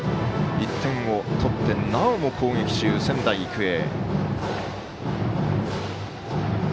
１点を取ってなおも攻撃中、仙台育英。